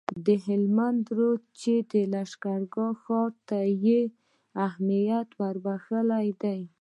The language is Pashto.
د هلمند رود دی چي د لښکرګاه ښار ته یې اهمیت وربخښلی دی